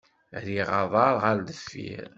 Rriɣ aḍar ɣer deffir.